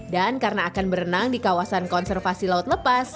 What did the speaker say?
dan karena akan berenang di kawasan konservasi laut lepas